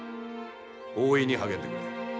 大いに励んでくれ。